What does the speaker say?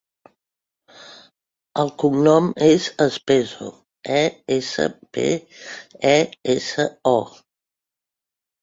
El cognom és Espeso: e, essa, pe, e, essa, o.